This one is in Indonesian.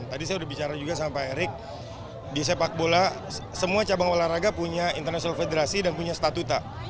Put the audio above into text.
tadi saya sudah bicara juga sama pak erik di sepak bola semua cabang olahraga punya international federation dan punya statuta